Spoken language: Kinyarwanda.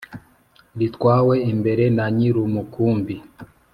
ritwawe imbere na nyir'umukumbi